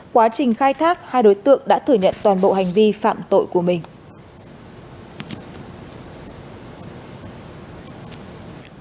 quá trình khai thác hai đối tượng đã thử nhận toàn bộ hành vi phạm tội của mình